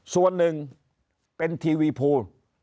ส่วนหนึ่งเป็นทีวีโพล๓๕๗๙๑๑